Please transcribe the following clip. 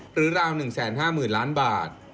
หรือราว๑๕๐๐ล้านบาท